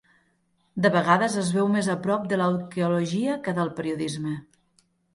De vegades es veu més a prop de l'arqueologia que del periodisme.